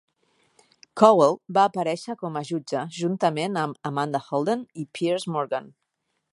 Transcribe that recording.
Cowell va aparèixer com a jutge juntament amb Amanda Holden i Piers Morgan.